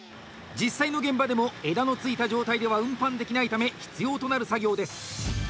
実際の現場でも、枝の付いた状態では運搬できないため必要となる作業です。